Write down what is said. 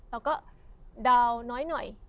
เราก็ดาวน้อย